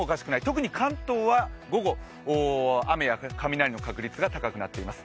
特に関東は午後、雨や雷の確率が高くなっています。